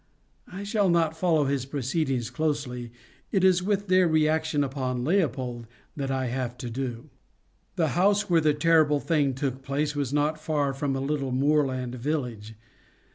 I shall not follow his proceedings closely: it is with their reaction upon Leopold that I have to do. The house where the terrible thing took place was not far from a little moorland village.